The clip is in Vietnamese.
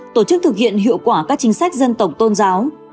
tổ chức thực hiện hiệu quả các chính sách dân tộc tôn giáo